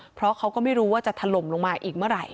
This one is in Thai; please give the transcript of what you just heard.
เพราะเขาก็ไม่รู้ว่าจะถล่มลงมาอีกเมื่อไหร่